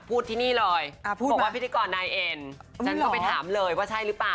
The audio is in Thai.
พูดที่นี่เลยบอกว่าพิธีกรนายเอ็นฉันก็ไปถามเลยว่าใช่หรือเปล่า